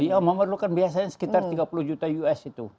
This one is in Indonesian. iya memerlukan biasanya sekitar tiga puluh juta us itu